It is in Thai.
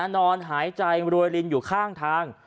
นอนหายใจรวยลินอยู่ข้างทาง